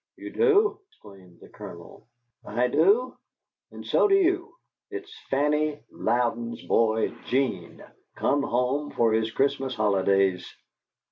"You do?" exclaimed the Colonel. "I do, and so do you. It's Fanny Louden's boy, 'Gene, come home for his Christmas holidays."